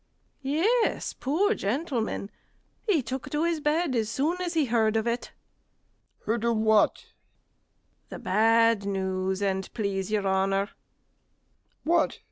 STEWARD. Yes, poor gentleman, he took to his bed as soon as he heard of it. MR. G. Heard of what? STEWARD. The bad news, an' it please your honour. MR. G. What?